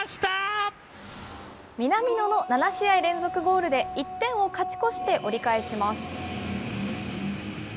南野の７試合連続ゴールで、１点を勝ち越して折り返します。